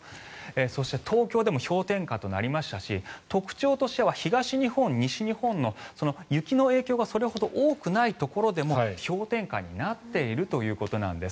そして、東京でも氷点下となりましたし特徴としては東日本、西日本の雪の影響がそれほど多くないところでも氷点下になっているということなんです。